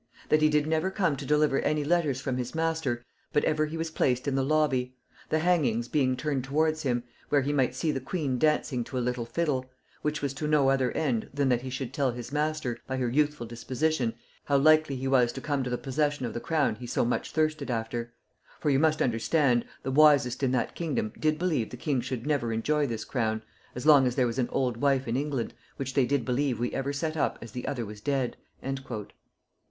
That he did never come to deliver any letters from his master, but ever he was placed in the lobby; the hangings being turned towards him, where he might see the queen dancing to a little fiddle; which was to no other end than that he should tell his master, by her youthful disposition, how likely he was to come to the possession of the crown he so much thirsted after: for you must understand, the wisest in that kingdom did believe the king should never enjoy this crown, as long as there was an old wife in England, which they did believe we ever set up as the other was dead." [Note 126: Weldon's Court of King James.